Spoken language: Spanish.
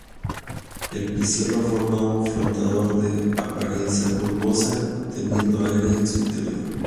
El pecíolo forma un flotador de apariencia bulbosa, conteniendo aire en su interior.